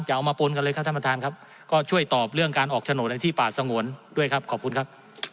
เอามาปนกันเลยครับท่านประธานครับก็ช่วยตอบเรื่องการออกโฉนดในที่ป่าสงวนด้วยครับขอบคุณครับ